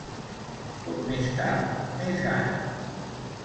Com més tard, més gana.